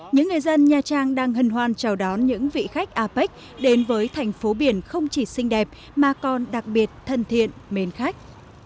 những người dân nha trang đang hân hoan chào đón những vị khách apec đến với thành phố biển không chỉ xinh đẹp mà còn đặc biệt thân thiện mến khách